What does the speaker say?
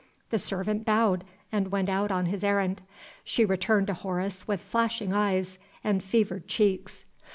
The servant bowed, and went out on his errand. She turned to Horace with flashing eyes and fevered cheeks.